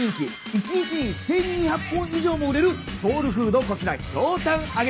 一日に１，２００本以上も売れるソウルフードこちらひょうたん揚げです。